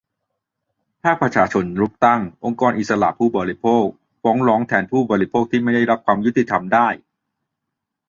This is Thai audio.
ภาคประชาชนรุกตั้ง "องค์กรอิสระผู้บริโภค" ฟ้องร้องแทนผู้บริโภคที่ไม่ได้รับความยุติธรรมได้